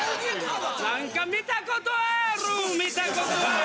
何か見たことあーる見たことあーる